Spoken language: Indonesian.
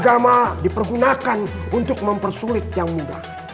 agama dipergunakan untuk mempersulit yang mudah